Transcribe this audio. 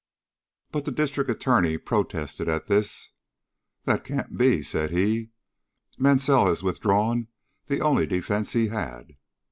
But the District Attorney protested at this. "That can't be," said he; "Mansell has withdrawn the only defence he had."